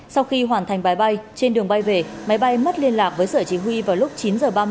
sau khi hoàn thành bài bay trên đường bay về máy bay mất liên lạc với sở chỉ huy vào lúc chín h ba mươi